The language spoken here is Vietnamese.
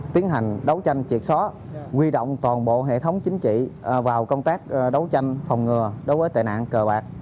tiến hành đấu tranh triệt xóa quy động toàn bộ hệ thống chính trị vào công tác đấu tranh phòng ngừa đối với tệ nạn cờ bạc